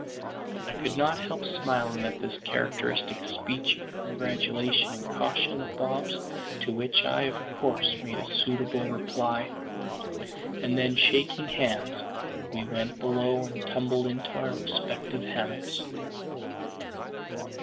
I could not help smiling at this characteristic speech of congratulation and caution of Bob's, to which I of course made a suitable reply; and then, shaking hands, we went below and tumbled into our respective hammocks.